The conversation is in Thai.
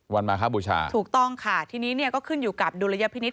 มาคบูชาถูกต้องค่ะทีนี้เนี่ยก็ขึ้นอยู่กับดุลยพินิษฐ